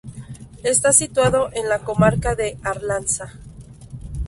Está situado en la comarca de Arlanza.